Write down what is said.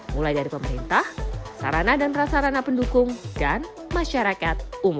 mulai dari pemerintah sarana dan prasarana pendukung dan masyarakat umum